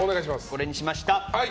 これにしました。